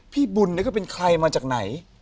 พี่บุญนี่ก็เป็นใครมาจากไหน